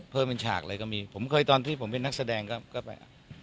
เพิ่มเป็นฉากเลยก็มีผมเคยตอนที่ผมเป็นนักแสดงก็ไป